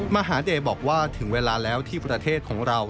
มหาเดย์บอกว่าถึงเวลาแล้วที่ประเทศของเรา